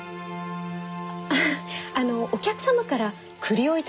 あっあのお客様から栗を頂いたんです。